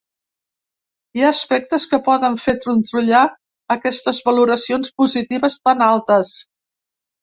Hi ha aspectes que poden fer trontollar aquestes valoracions positives tan altes.